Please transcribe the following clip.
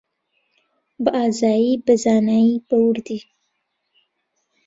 بەئازایی، بەزانایی، بەوردی